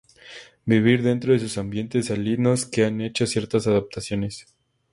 Vivir dentro de sus ambientes salinos que han hecho ciertas adaptaciones.